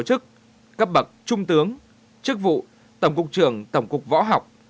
tổ chức cấp bậc chuẩn tướng chức vụ tổng cục trưởng tổng cục võ học